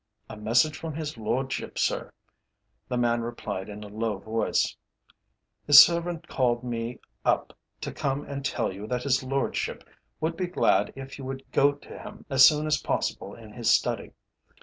"'A message from his Lordship, sir,' the man replied in a low voice. 'His servant called me up to come and tell you that his Lordship would be glad if you would go to him as soon as possible in his study.